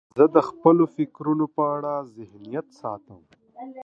زه د خپلو فکرونو په اړه ذهنیت ساتم.